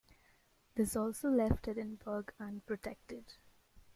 This also left Edinburgh unprotected.